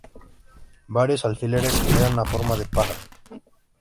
Varios alfileres eran a forma de pájaro.